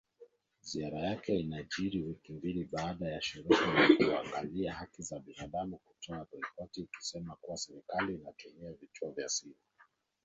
Ziara yake inajiri wiki mbili baada ya shirika la kuangalia haki za binadamu kutoa ripoti ikisema kuwa serikali inatumia vituo vya siri.